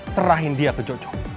serahin dia ke jojo